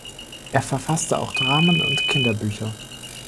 Er verfasste auch Dramen und Kinderbücher.